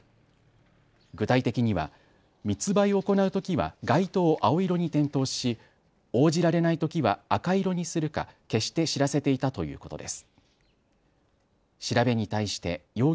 具体的には密売を行うときは外灯を青色に点灯し応じられないときは赤色にするか消して知らせていたということです。